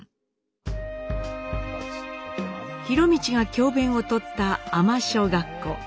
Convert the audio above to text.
博通が教べんをとった海士小学校。